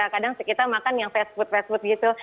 kadang kita makan yang fast food fast food gitu